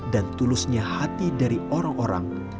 dan tulusnya hati dari orang orang